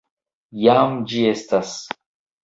Jam ĝi estas.